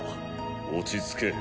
落ち着け。